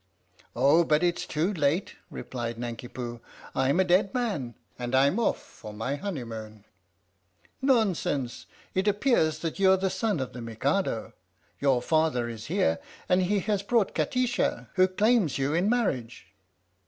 " Oh, but it 's too late," replied Nanki Poo. " I'm a dead man and I'm off for my honeymoon." 107 THE STORY OF THE MIKADO " Nonsense. It appears that you're the son of the Mikado. Your father is here, and he has brought Kati sha, who claims you in marriage."